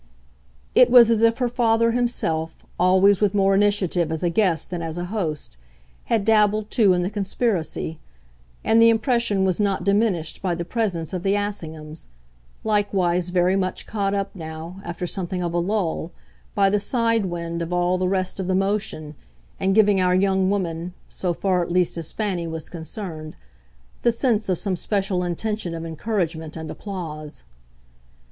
It was as if her father himself, always with more initiative as a guest than as a host, had dabbled too in the conspiracy; and the impression was not diminished by the presence of the Assinghams, likewise very much caught up, now, after something of a lull, by the side wind of all the rest of the motion, and giving our young woman, so far at least as Fanny was concerned, the sense of some special intention of encouragement and applause.